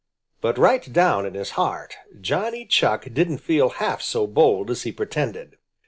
But right down in his heart Johnny Chuck didn't feel half so bold as he pretended.